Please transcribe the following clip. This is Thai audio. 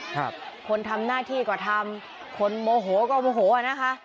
คนทำหน้าที่ก็ทำคนโมโหก็โมโหอ่ะนะคะ